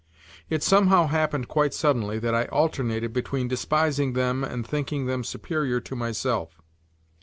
It somehow happened quite suddenly that I alternated between despising them and thinking them superior to myself.